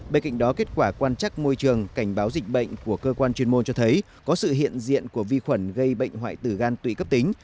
bên cạnh đó kết quả quan trắc môi trường cảnh báo dịch bệnh của cơ quan chuyên môn cho thấy có sự hiện diện của vi khuẩn gây bệnh hoại tử gan tụy cấp tính